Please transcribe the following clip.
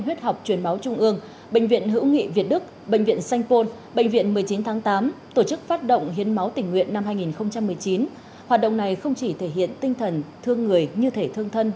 học viên trong toàn học viện tham gia